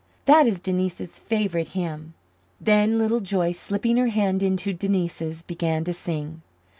That is Denise's favourite hymn." Then Little Joyce, slipping her hand into Denise's, began to sing.